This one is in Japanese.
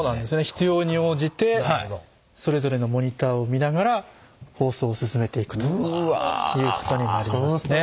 必要に応じてそれぞれのモニターを見ながら放送を進めていくということになりますね。